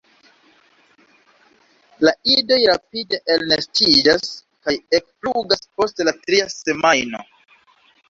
La idoj rapide elnestiĝas kaj ekflugas post la tria semajno.